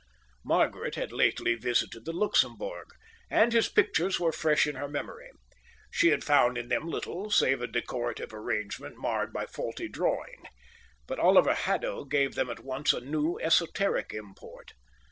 Margaret had lately visited the Luxembourg, and his pictures were fresh in her memory. She had found in them little save a decorative arrangement marred by faulty drawing; but Oliver Haddo gave them at once a new, esoteric import.